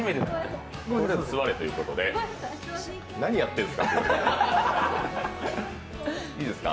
座れということで何やってんですか、いいですか？